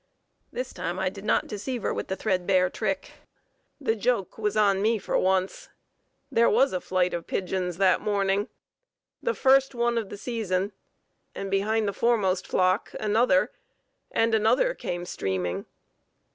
This time I did not deceive her with the threadbare trick. The joke was "on me" for once. There was a flight of pigeons that morning, the first one of the season, and behind the foremost flock another and another came streaming.